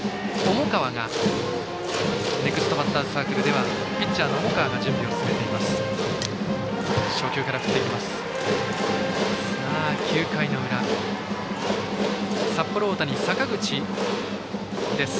ネクストバッターズサークルではピッチャーの重川が準備しています。